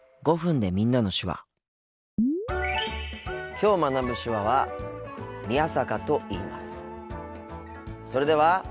きょう学ぶ手話はそれでは。